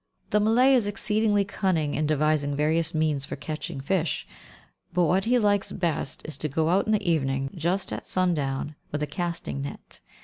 The Malay is exceedingly cunning in devising various means for catching fish, but what he likes best is to go out in the evening, just at sundown, with a casting net.